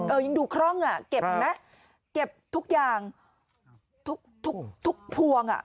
ยังดูคร่องอ่ะเก็บเห็นไหมเก็บทุกอย่างทุกทุกพวงอ่ะ